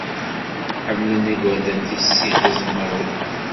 Ḥemmlen Igerdan tissit Iẓmawen.